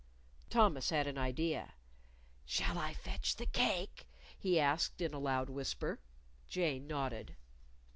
Thomas had an idea. "Shall I fetch the cake?" he asked in a loud whisper. Jane nodded.